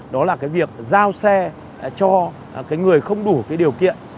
đó là cái việc giao xe cho cái người không đủ cái điều kiện